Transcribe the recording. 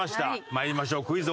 参りましょうクイズ！